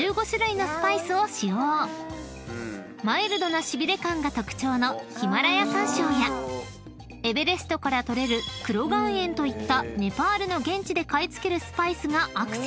［マイルドなしびれ感が特徴のヒマラヤ山椒やエベレストから取れる黒岩塩といったネパールの現地で買い付けるスパイスがアクセントに］